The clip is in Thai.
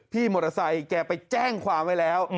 พี่มอเตอร์ไซค์แกไปแจ้งความไว้แล้ว